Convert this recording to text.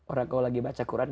orang kalau lagi baca quran